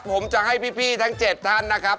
ผมจะให้พี่ทั้ง๗ท่านนะครับ